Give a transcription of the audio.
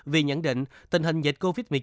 vì nhận định tình hình dịch covid một mươi chín